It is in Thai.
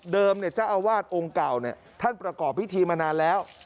เจ้าอาวาสองค์เก่าท่านประกอบพิธีมานานแล้ว